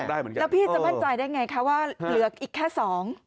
แล้วพี่จะมั่นใจได้ไงคะว่าเหลืออีกแค่สอง